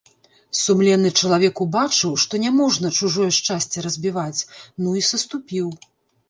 Сумленны чалавек убачыў, што не можна чужое шчасце разбіваць, ну і саступіў.